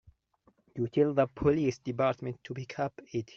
You tell the police department to pick up Eddie.